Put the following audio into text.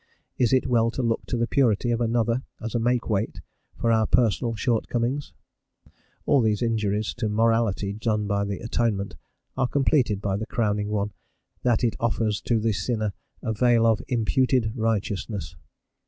Is it well to look to the purity of another as a makewight for our personal shortcomings? All these injuries to morality done by the atonement are completed by the crowning one, that it offers to the sinner a veil of "imputed righteousness."